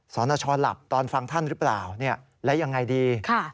สนชหลับตอนฟังท่านหรือเปล่าแล้วยังไงดี